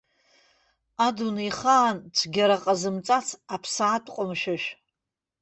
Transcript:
Адунеихаан цәгьара ҟазымҵац аԥсаатә ҟәымшәышә.